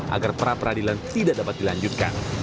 agar perapradilan tidak dapat dilanjutkan